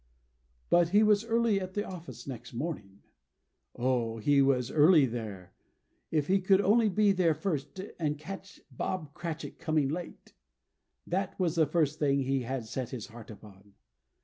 But he was early at the office next morning. Oh, he was early there. If he could only be there first, and catch Bob Cratchit coming late! That was the first thing he had set his heart upon.